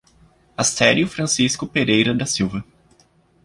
Asterio Francisco Pereira da Silva